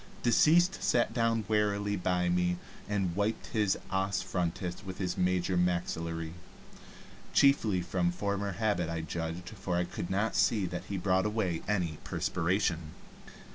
Deceased sat wearily down by me, and wiped his os frontis with his major maxillary chiefly from former habit I judged, for I could not see that he brought away any perspiration.